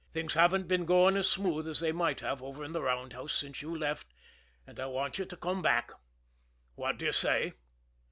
"Things haven't been going as smooth as they might have over in the roundhouse since you left, and I want you to come back. What do you say?"